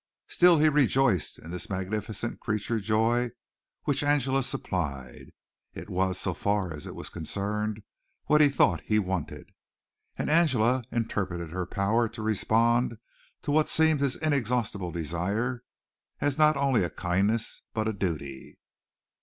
Still, he rejoiced in this magnificent creature joy which Angela supplied; it was, so far as it was concerned, what he thought he wanted. And Angela interpreted her power to respond to what seemed his inexhaustible desire as not only a kindness but a duty.